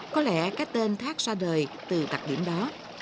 có lẽ cái tên thác ra đời từ đặc điểm đó